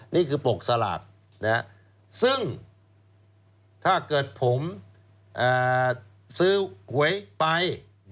นี่คือปกสลากซึ่งถ้าเกิดผมซื้อหวยไป